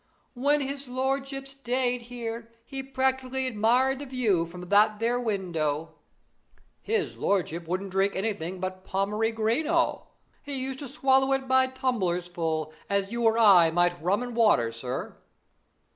"'When his lordship stayed here he partic'larly admired the view from that there window.' 'His lordship wouldn't drink anything but Pommery Green oh; he used to swallow it by tumblersful, as you or I might rum and water, sir.'